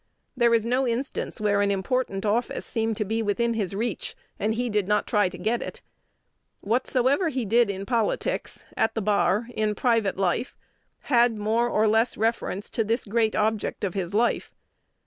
There is no instance where an important office seemed to be within his reach, and he did not try to get it. Whatsoever he did in politics, at the bar, in private life, had more or less reference to this great object of his life.